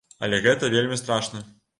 Але гэта вельмі страшна.